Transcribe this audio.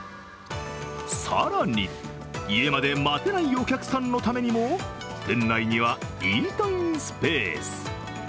更に家まで待てないお客さんのためにも店内にはイートインスペース。